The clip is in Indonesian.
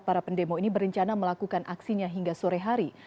para pendemo ini berencana melakukan aksinya hingga sore hari